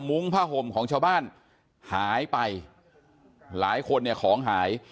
ผ้าห่มของชาวบ้านหายไปหลายคนเนี่ยของหาย